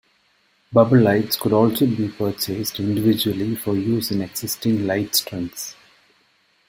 Bubble lights could also be purchased individually for use in existing light strings.